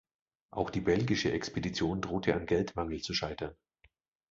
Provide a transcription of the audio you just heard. Auch die belgische Expedition drohte an Geldmangel zu scheitern.